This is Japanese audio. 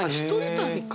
旅か！